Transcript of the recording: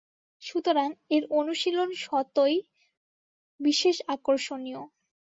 সুতরাং এর অনুশীলন স্বতই বিশেষ আকর্ষণীয়।